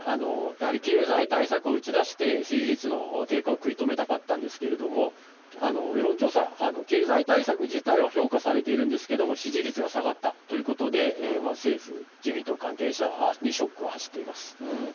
やはり経済対策を打ち出して、支持率の低下を食い止めたかったんですけれども、世論調査、経済対策自体は評価されているんですけれども、支持率が下がったということで、政府、自民党関係者にショックは走っています。